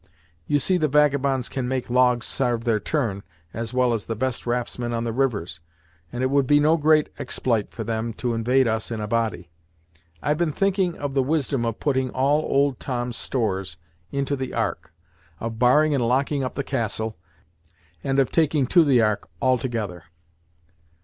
You see the vagabonds can make logs sarve their turn, as well as the best raftsmen on the rivers, and it would be no great expl'ite for them to invade us in a body. I've been thinking of the wisdom of putting all old Tom's stores into the Ark, of barring and locking up the Castle, and of taking to the Ark, altogether.